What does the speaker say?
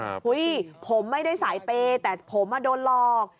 เฮ้ยผมไม่ได้สายเปย์แต่ผมโดนหลอก